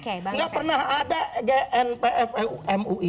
tidak pernah ada gnpf mui